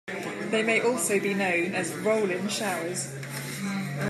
They may also be known as "roll-in showers".